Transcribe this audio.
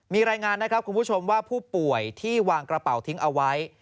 มีรายงานนะครับคุณผู้ชมว่าผู้ป่วยที่วางกระเป๋าทิ้งเอาไว้